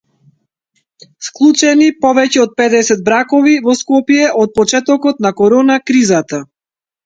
Склучени повеќе од педесет бракови во Скопје од почетокот на корона кризата